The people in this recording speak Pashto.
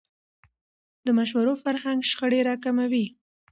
د مشورو فرهنګ شخړې راکموي